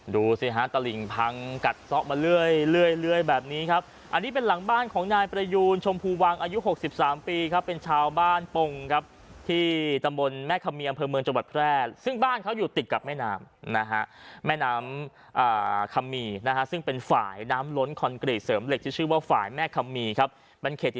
ดูสิฮะตลิ่งพังกัดซะมาเรื่อยแบบนี้ครับอันนี้เป็นหลังบ้านของนายประยูนชมพูวังอายุ๖๓ปีครับเป็นชาวบ้านปงครับที่ตำบลแม่คำมีอำเภอเมืองจังหวัดแพร่ซึ่งบ้านเขาอยู่ติดกับแม่น้ำนะฮะแม่น้ำอ่าคำมีนะฮะซึ่งเป็นฝ่ายน้ำล้นคอนกรีตเสริมเหล็กที่ชื่อว่าฝ่ายแม่คำมีครับ